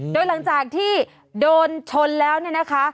โดยหลังจากที่โดนชนแล้วเนี่ยนะคะ